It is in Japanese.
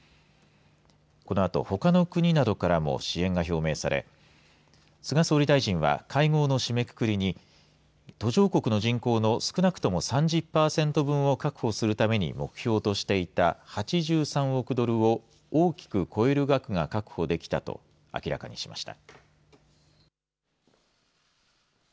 このあと、ほかの国などからも支援が表明され菅総理大臣は会合の締めくくりに途上国の人口の少なくとも３０パーセント分を確保するために目標としていた８３億ドルを大きく超える額が確保できたと明らかにしました。